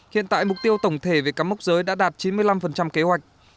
hiện tại mục tiêu tổng thể về cắm mốc giới đã đạt chín mươi năm kế hoạch